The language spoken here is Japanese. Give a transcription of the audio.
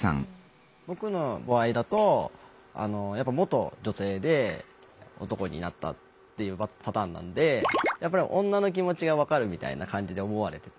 僕の場合だと元女性で男になったっていうパターンなんでやっぱり女の気持ちが分かるみたいな感じで思われてて。